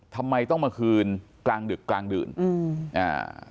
ทำไมต้องมาคืนกลางดึกกลางดื่นอืมอ่า